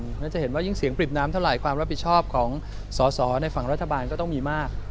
เพราะฉะนั้นจะเห็นว่ายิ่งเสียงปริบน้ำเท่าไหร่ความรับผิดชอบของสอสอในฝั่งรัฐบาลก็ต้องมีมาก